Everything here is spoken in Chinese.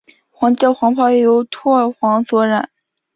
皇帝的黄袍用柘黄所染。